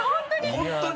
本当に！